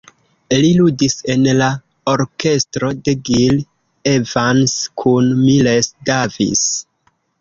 Li ludis en la orkestro de Gil Evans kun Miles Davis.